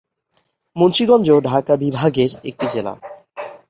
মুন্সিগঞ্জ ঢাকা বিভাগের একটি জেলা।